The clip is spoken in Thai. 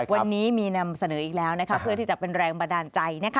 วันนี้มีนำเสนออีกแล้วเพื่อที่จะเป็นแรงบันดาลใจ